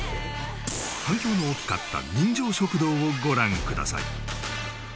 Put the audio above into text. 反響の大きかった人情食堂をご覧ください。